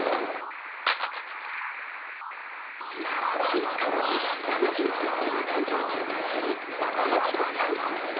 ３日後に７３歳の誕生日を迎える和田アキ子さん。